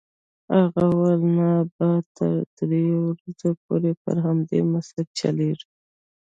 هغه وویل نه باد تر دریو ورځو پورې پر همدې مسیر چلیږي.